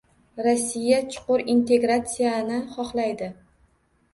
Rossiya chuqur integratsiyani istaydi